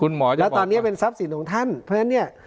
แล้วตอนนี้เป็นทรัพย์สินของท่านเพราะฉะนั้นเนี่ย